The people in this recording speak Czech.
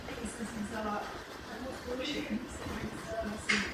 Jak to udělat?